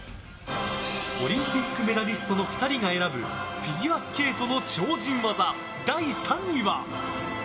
オリンピックメダリストの２人が選ぶフィギュアスケートの超人技第３位は。